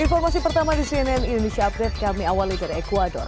informasi pertama di cnn indonesia update kami awali dari ecuador